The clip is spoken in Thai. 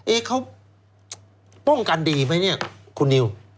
เขาป้องกันดีไหมเนี่ยคุณนิว